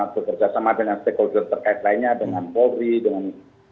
bekerja sama dengan stakeholder terkait lainnya dengan polri dengan